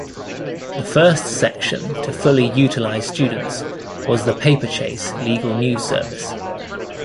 The first section to fully utilize students was the Paper Chase legal news service.